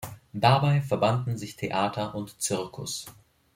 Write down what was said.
Dabei verbanden sich Theater und Zirkus.